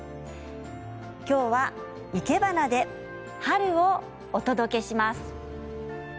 今日は、いけばなで春をお届けします。